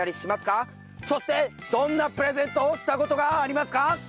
そしてどんなプレゼントをした事がありますか？